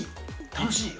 楽しいよ。